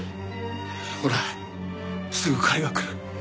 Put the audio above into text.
ほらすぐ彼が来る。